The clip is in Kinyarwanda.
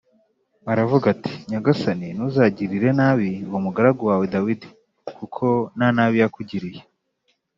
aravuga ati “Nyagasani, ntuzagirire nabi uwo mugaragu wawe Dawidi kuko nta nabi yakugiriye